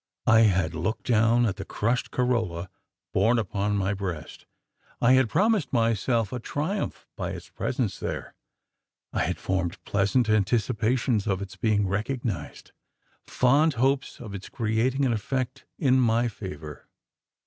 I had looked down at the crushed corolla borne upon my breast. I had promised myself a triumph by its presence there. I had formed pleasant anticipations of its being recognised fond hopes of its creating an effect in my favour.